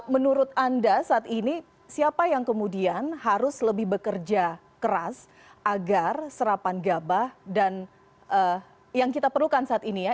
menurut anda saat ini siapa yang kemudian harus lebih bekerja keras agar serapan gabah dan yang kita perlukan saat ini ya